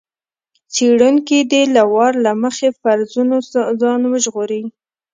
څېړونکی دې له وار له مخکې فرضونو ځان وژغوري.